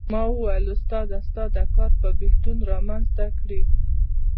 ما وویل استاده ستا دا کار به بېلتون رامېنځته کړي.